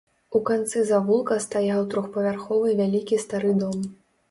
У канцы завулка стаяў трохпавярховы вялікі стары дом.